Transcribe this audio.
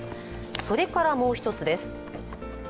それからもう一つです。